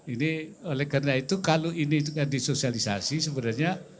ini oleh karena itu kalau ini disosialisasi sebenarnya